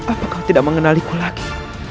apa kau tidak mengenaliku lagi